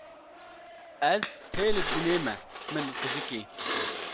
Ez hê li dinê me min qijikê